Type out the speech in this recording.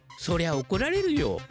そりゃおこられるよ。